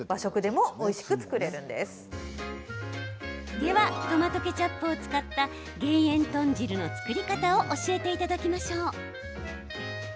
では、トマトケチャップを使った減塩豚汁の作り方を教えていただきましょう。